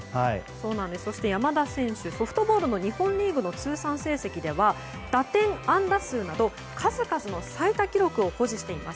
そして山田選手ソフトボールの日本リーグの通算成績では打点、安打数など数々の最多記録を持っています。